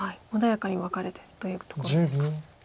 穏やかにワカれてるというところですか。